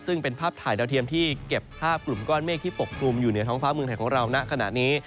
ซึ่งเป็นภาพถ่ายดาวเทียมที่เก็บภาพกลุ่มก้อนเมฆที่ปกคลุมอยู่เหนือท้องฟ้าเมืองไทยของเราณขณะนี้